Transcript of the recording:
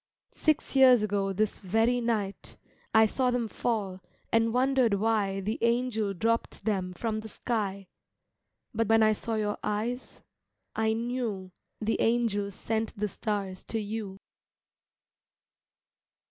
Six years ago this very night I saw them fall and wondered why The angel dropped them from the sky But when I saw your eyes I knew The angel sent the stars to you.